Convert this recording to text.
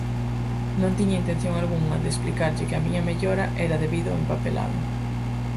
Non tiña intención algunha de explicarlle que a miña mellora era debido ao empapelado.